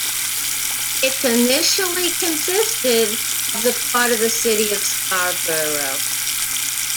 It initially consisted of the part of the City of Scarborough.